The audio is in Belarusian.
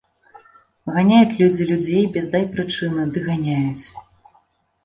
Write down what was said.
Ганяюць людзі людзей без дай прычыны ды ганяюць.